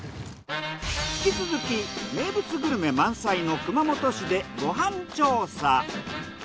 引き続き名物グルメ満載の熊本市でご飯調査。